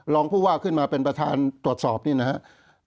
รองผู้ว่าขึ้นมาเป็นประธานตรวจสอบนี่นะครับ